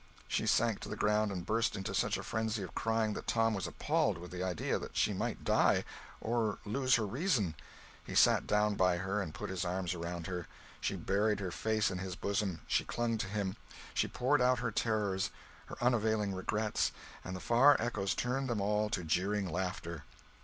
She sank to the ground and burst into such a frenzy of crying that Tom was appalled with the idea that she might die, or lose her reason. He sat down by her and put his arms around her; she buried her face in his bosom, she clung to him, she poured out her terrors, her unavailing regrets, and the far echoes turned them all to jeering laughter.